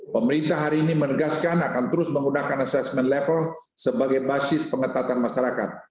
pemerintah hari ini menegaskan akan terus menggunakan assessment level sebagai basis pengetatan masyarakat